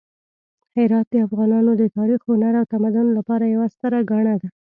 هرات د افغانانو د تاریخ، هنر او تمدن لپاره یوه ستره ګاڼه ده.